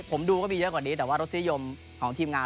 เรารู้ก็มีเยอะกว่านี้แต่ว่ารักษณิยยมของทีมงาน